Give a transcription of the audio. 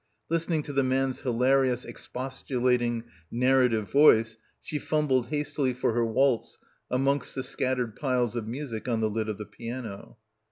Listening to the man's hilarious expostulating narrative voice she fumbled hastily for her waltz amongst the scattered piles of music on the lid of the piano.